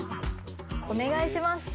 お願いします。